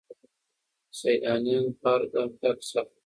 سیلانیان په هر ګام کې عکس اخلي.